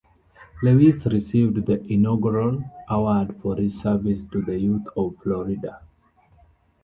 Lewis received the inaugural award for his service to the youth of Florida.